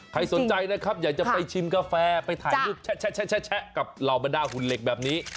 ใครสนใจนะครับอยากจะไปชิมกาแฟไปถ่ายรูปแชะกับเหล่าบรรดาหุ่นเหล็กแบบนี้